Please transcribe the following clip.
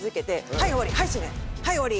「はい終わり！」